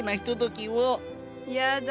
やだ